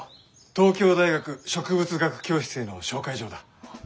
東京大学植物学教室への紹介状だ。